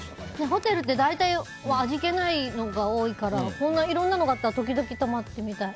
ホテルって大体味気ないのが多いからこんないろいろなのがあったら時々泊まってみたい。